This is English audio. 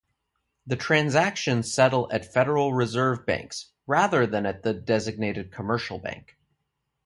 The transactions settle at Federal Reserve Banks, rather than at the designated commercial bank.